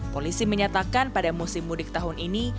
polisi menyatakan pada musim mudik tahun ini